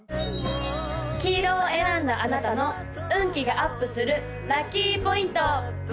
黄色を選んだあなたの運気がアップするラッキーポイント！